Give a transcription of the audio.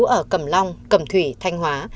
để cầm long cầm thủy thanh hóa